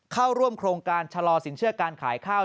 เข้าร่วมโครงการชะลอสินเชื่อการขายข้าว